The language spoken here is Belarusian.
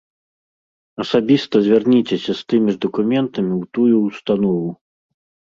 Асабіста звярніцеся з тымі ж дакументамі ў тую ўстанову.